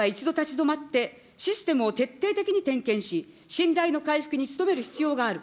政府は一度立ち止まって、システムを徹底的に点検し、信頼の回復に努める必要がある。